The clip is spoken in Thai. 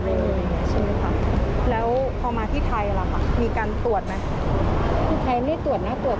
โฮลโลนัทที่คุ้มค่ามากเลยที่สุด